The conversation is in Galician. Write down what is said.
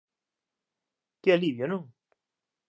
Que alivio, non?